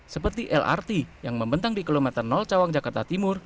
seperti lrt yang membentang di kilometer cawang jakarta timur